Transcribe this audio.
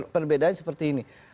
perbedaannya seperti ini